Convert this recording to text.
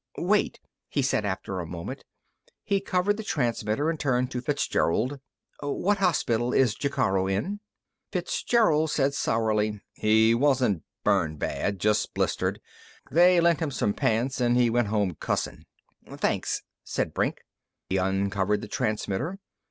"Wait!" he said after a moment. He covered the transmitter and turned to Fitzgerald. "What hospital is Jacaro in?" Fitzgerald said sourly: "He wasn't burned bad. Just blistered. They lent him some pants and he went home cussing." "Thanks," said Brink. He uncovered the transmitter.